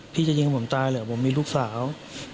จะยิงผมตายเหรอผมมีลูกสาว